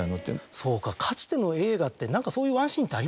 そうかかつての映画って何かそういうワンシーンってありましたね。